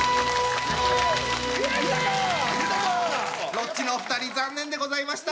ロッチのお二人残念でございました。